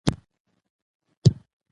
تر اوسه خو هغه په وړوني کې ده.